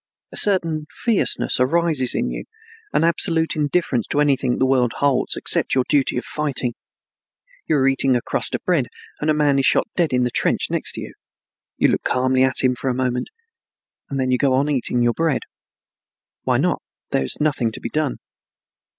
A certain fierceness arises in you, an absolute indifference to anything the world holds except your duty of fighting. You are eating a crust of bread, and a man is shot dead in the trench next to you. You look calmly at him for a moment, and then go on eating your bread. Why not? There is nothing to be done.